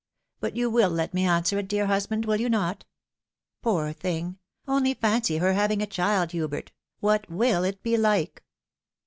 But you will let me answer it, dear husband, will you not? Poor thing ! only fancy her having a child, Hubert ; what will it be like